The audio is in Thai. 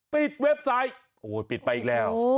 เว็บไซต์โอ้โหปิดไปอีกแล้ว